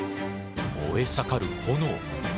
燃え盛る炎。